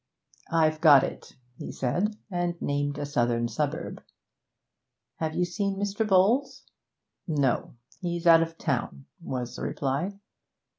'I've got it,' he said, and named a southern suburb. 'Have you seen Mr. Bowles?' 'No; he's out of town,' was the reply.